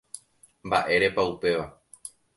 Mba'érepa upéva